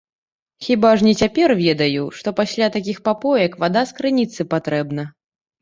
Хіба ж не цяпер ведаю, што пасля такіх папоек вада з крыніцы патрэбна.